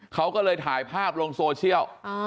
เขาก็เลยถ่ายภาพลงโซเชียล